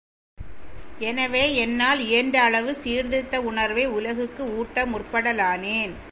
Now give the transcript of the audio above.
எனவே, என்னால் இயன்ற அளவு சீர்திருத்த உணர்வை உலகுக்கு ஊட்ட முற்படலானேன்.